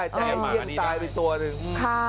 แต่ไอ้เยี่ยงตายไปตัวหนึ่ง